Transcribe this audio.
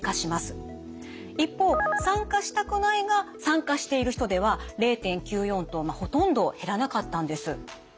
一方参加したくないが参加している人では０．９４とほとんど減らなかったんです。